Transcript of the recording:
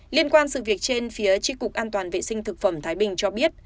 liên quan sự việc trên phía tri cục an toàn vệ sinh thực phẩm thái bình cho biết